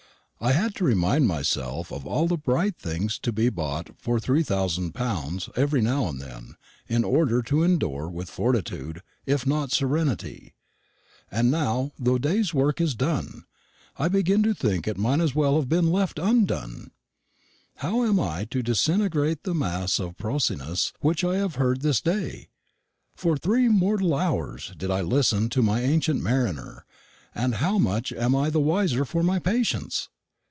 I had to remind myself of all the bright things to be bought for three thousand pounds, every now and then, in order to endure with fortitude, if not serenity. And now the day's work is done, I begin to think it might as well have been left undone. How am I to disintegrate the mass of prosiness which I have heard this day? For three mortal hours did I listen to my ancient mariner; and how much am I the wiser for my patience?